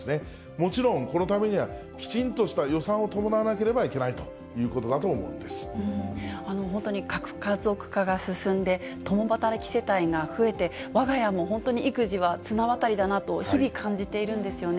もちろん、このためにはきちんとした予算を伴わなければいけないということ本当に核家族化が進んで、共働き世帯が増えて、わが家も本当に育児は綱渡りだなと、日々感じているんですよね。